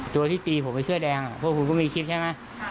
ตัวที่ตีผมไอ้เสื้อแดงพวกคุณก็มีคลิปใช่ไหม